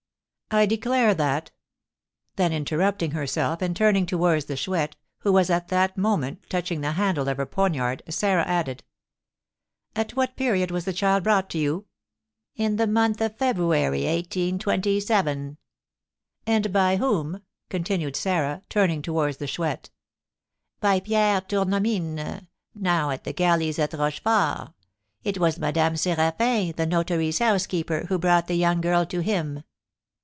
"I declare that " Then interrupting herself, and turning towards the Chouette, who was at the moment touching the handle of her poniard, Sarah added: "At what period was the child brought to you?" "In the month of February, 1827." "And by whom?" continued Sarah, turning towards the Chouette. "By Pierre Tournemine, now at the galleys at Rochefort. It was Madame Séraphin, the notary's housekeeper, who brought the young girl to him."